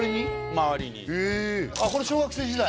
周りにこれ小学生時代？